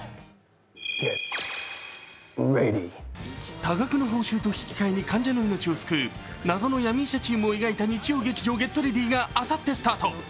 多額の報酬と引き換えに患者の命を救う謎の闇医者チームを描いた日曜劇場「ＧｅｔＲｅａｄｙ！」があさってスタート。